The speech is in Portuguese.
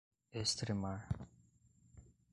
estremar